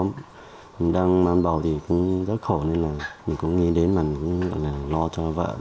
mình đang mang bầu thì cũng rất khổ nên là mình cũng nghĩ đến là mình cũng gọi là lo cho vợ